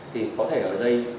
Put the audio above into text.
thì có thể ở đây